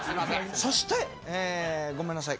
そしてごめんなさい。